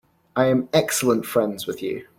I am excellent friends with you.